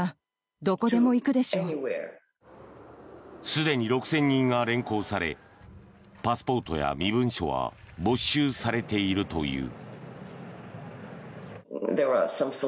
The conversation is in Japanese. すでに６０００人が連行されパスポートや身分証は没収されているという。